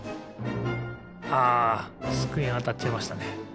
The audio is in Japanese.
あつくえにあたっちゃいましたね。